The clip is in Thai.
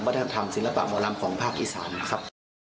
วัฒนธรรมศิลปะหมอลำของภาคอีสานนะครับ